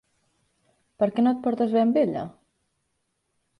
Per què no et portes bé amb ella?